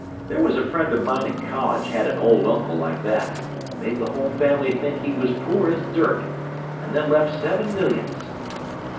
There was a friend of mine in college had an old uncle like that: made the whole family think he was poor as dirt—and then left seven millions.